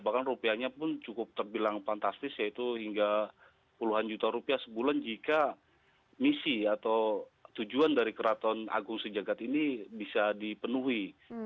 bahkan rupiahnya pun cukup terbilang fantastis yaitu hingga puluhan juta rupiah sebulan jika misi atau tujuan dari keraton agung sejagat ini bisa dipenuhi